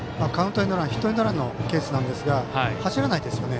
ヒットエンドランのケースなんですが走らないですよね。